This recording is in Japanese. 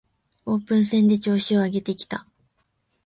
オープン戦で調子を上げてきた